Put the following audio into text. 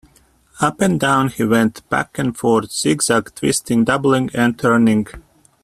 Up and down he went, back and forth — zig-zagging, twisting, doubling and turning.